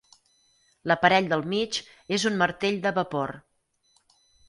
L'aparell del mig és un martell de vapor.